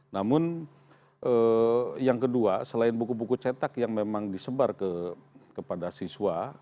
namun yang kedua selain buku buku cetak yang memang disebar kepada siswa